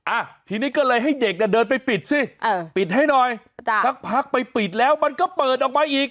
อ่ะทีนี้ก็เลยให้เด็กเนี่ยเดินไปปิดสิเออปิดให้หน่อยจ้ะสักพักไปปิดแล้วมันก็เปิดออกมาอีก